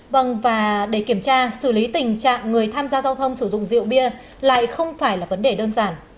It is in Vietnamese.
vâng và để kiểm tra xử lý tình trạng người tham gia giao thông sử dụng rượu bia lại không phải là vấn đề đơn giản